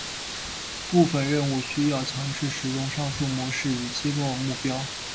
部分任务需要强制使用上述模式以击落目标。